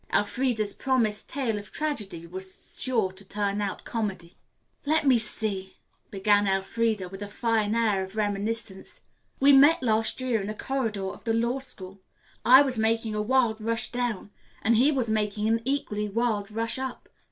Elfreda's promised tale of tragedy was sure to turn out comedy. "Let me see," began Elfreda with a fine air of reminiscence. "We met last year in a corridor of the law school, I was making a wild rush down and he was making an equally wild rush up.